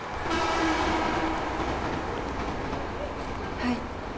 はい。